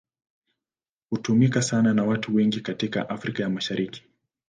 Hutumika sana na watu wengi katika Afrika ya Mashariki.